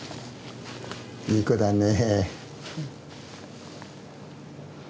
いい子だね。